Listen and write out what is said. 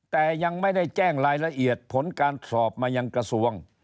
แต่ยังไม่ได้แจ้งรายละเอียดผลการสอบมายังกระทรวง